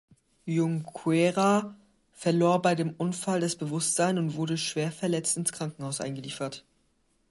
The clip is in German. Junqueira verlor bei dem Unfall das Bewusstsein und wurde schwerverletzt ins Krankenhaus eingeliefert.